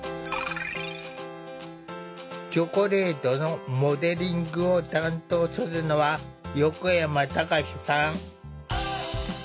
チョコレートのモデリングを担当するのは横山貴志さん。